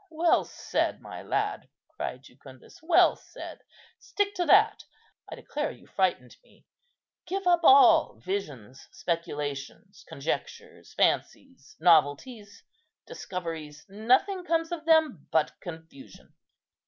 "Well said, my lad," cried Jucundus, "well said; stick to that. I declare you frightened me. Give up all visions, speculations, conjectures, fancies, novelties, discoveries; nothing comes of them but confusion."